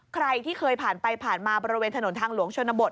ใครที่เคยผ่านไปผ่านมาบริเวณถนนทางหลวงชนบท